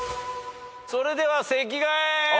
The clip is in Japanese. それでは席替え！